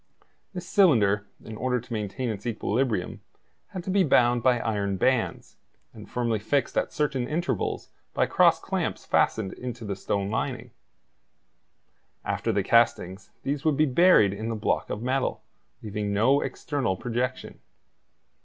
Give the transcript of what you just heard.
This cylinder, in order to maintain its equilibrium, had to be bound by iron bands, and firmly fixed at certain intervals by cross clamps fastened into the stone lining; after the castings these would be buried in the block of metal, leaving no external projection.